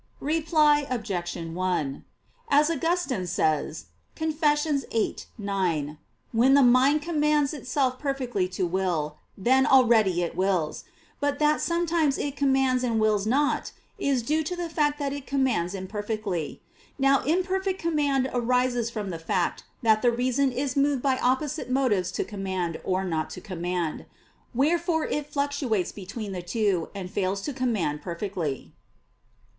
Reply Obj. 1: As Augustine says (Confess. viii, 9) when the mind commands itself perfectly to will, then already it wills: but that sometimes it commands and wills not, is due to the fact that it commands imperfectly. Now imperfect command arises from the fact that the reason is moved by opposite motives to command or not to command: wherefore it fluctuates between the two, and fails to command perfectly.